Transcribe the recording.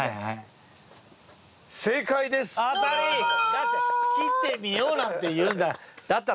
だって切ってみようなんて言うんだから。